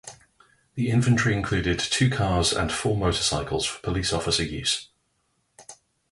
The inventory included two cars and four motorcycles for police officer use.